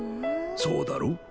そうだろ？